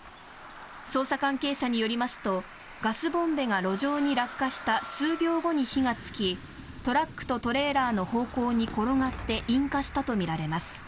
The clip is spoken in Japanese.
捜査関係者によりますとガスボンベが路上に落下した数秒後に火がつきトラックとトレーラーの方向に転がって引火したとみられます。